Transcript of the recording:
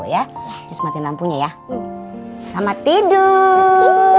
ya just mati lampunya ya sama tidur